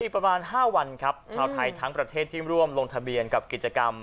ประมาณ๕วันครับชาวไทยทั้งประเทศที่ร่วมลงทะเบียนกับกิจกรรม